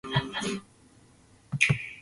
福島県伊達市